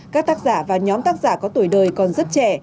các tác giả và nhóm tác giả có tuổi đời còn rất trẻ